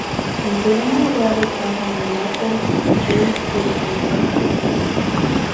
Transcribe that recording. En segundo lugar está Honda Motor Co., Ltd.